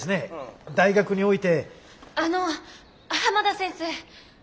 あの浜田先生